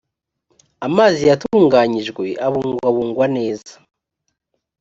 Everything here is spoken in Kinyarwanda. amazi yatunganyijwe abungwabungwa neza